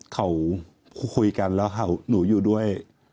เขาคุยกันแล้วหนูอยู่ด้วย